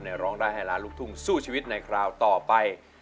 ร้องได้ให้ล้านลูกทุ่งสู้ชีวิตในคราวต่อไป